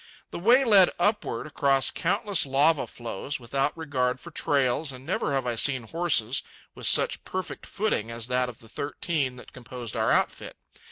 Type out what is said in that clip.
The way led upward across countless lava flows, without regard for trails, and never have I seen horses with such perfect footing as that of the thirteen that composed our outfit.